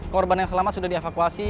korban yang selamat sudah dievakuasi